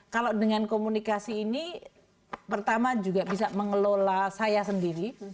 kalau dengan komunikasi ini pertama juga bisa mengelola saya sendiri